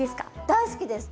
大好きです！